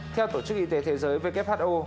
theo tổ chức y tế thế giới who